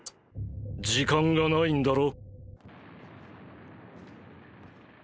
時間が無いんだろ？